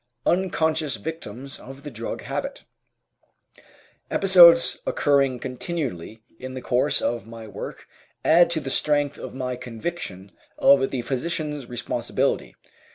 UNCONSCIOUS VICTIMS OF THE DRUG HABIT Episodes occurring continually in the course of my work add to the strength of my conviction of the physician's responsibility.